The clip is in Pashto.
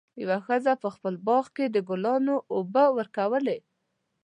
یوه ښځه په خپل باغ کې د ګلانو اوبه ورکولې.